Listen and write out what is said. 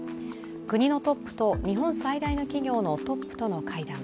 国のトップと日本最大の企業のトップとの会談。